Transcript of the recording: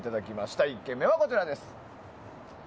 第１軒目は、こちらです。